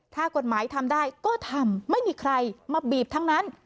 ถ้ากฎหมายทำได้ก็ทำไม่มีใครมาบีบทั้งนั้น